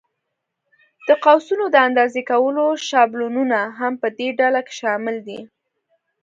د قوسونو د اندازې کولو شابلونونه هم په دې ډله کې شامل دي.